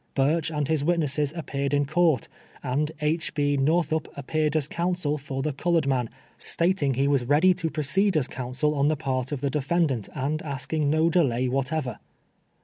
Burch and his witnesses appeared in court, and II. B. j^ortliup appeared as counsel for the colored man, stating he was ready to proceed as counsel on the part of the de fendant, and asking no delay whatever.